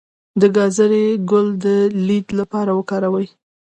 د ګازرې ګل د لید لپاره وکاروئ